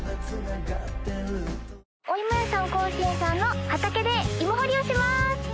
おいもやさん興伸さんの畑で芋掘りをします